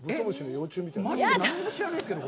マジで何にも知らないですけど。